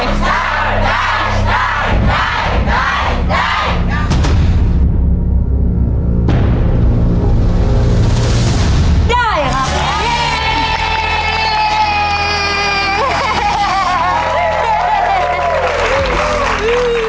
พร้อมครับ